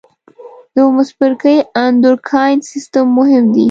د اووم څپرکي اندورکاین سیستم مهم دی.